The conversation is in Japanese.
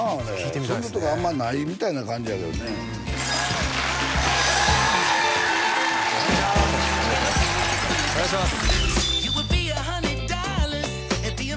そんなとこあんまりないみたいな感じやけどねお願いします